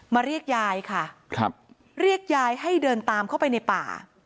เรียกยายค่ะครับเรียกยายให้เดินตามเข้าไปในป่า